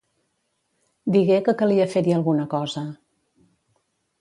Digué que calia fer-hi alguna cosa.